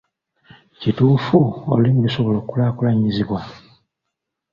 Kituufu olulimi lusobola okukulaakulanyizibwa?